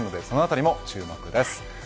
そのあたりも注目です。